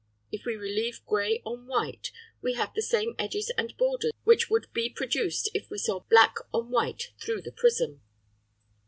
If we relieve grey on white, we have the same edges and borders which would be produced if we saw black on white through the prism.